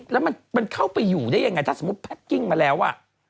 แล้วมันเข้าไปอยู่ได้ยังไงถ้าสมมุติแพ็กกิ้งมาแล้ว